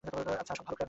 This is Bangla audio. আচ্ছা, সব ভালুকরা নয়।